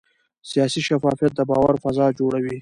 سیاسي شفافیت د باور فضا جوړوي